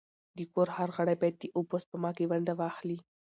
د کور هر غړی باید د اوبو سپما کي ونډه واخلي.